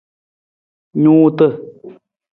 Nuuta.